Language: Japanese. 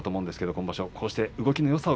今場所は。